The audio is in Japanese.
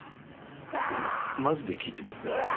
あのマジで聞いてます？